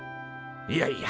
いやいや。